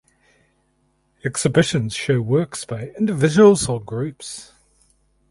Exhibitions show works by individuals or groups.